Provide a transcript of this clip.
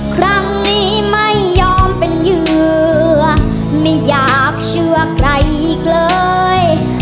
ครั้งนี้ไม่ยอมเป็นเหยื่อไม่อยากเชื่อใครอีกเลย